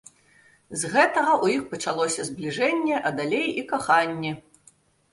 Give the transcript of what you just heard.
З гэтага ў іх пачалося збліжэнне, а далей і каханне.